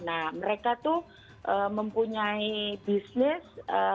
nah mereka tuh mempunyai bisnis